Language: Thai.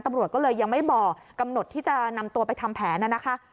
ตำรวจก็เลยยังไม่บอกกำหนดที่จะนำตัวไปทำแผนน่ะนะคะ